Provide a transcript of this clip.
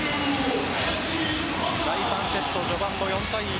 第３セット、序盤の４対１